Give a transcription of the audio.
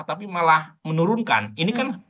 tapi malah menurunkan ini kan